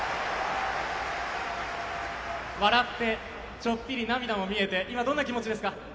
笑って、ちょっぴり涙も見えて今、どんな気持ちですか。